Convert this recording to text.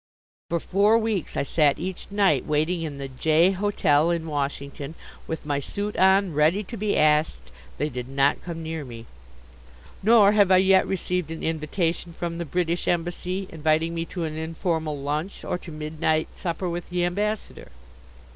For four weeks I sat each night waiting in the J. hotel in Washington with my suit on ready to be asked. They did not come near me. Nor have I yet received an invitation from the British Embassy inviting me to an informal lunch or to midnight supper with the Ambassador.